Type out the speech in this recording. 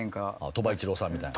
鳥羽一郎さんみたいな。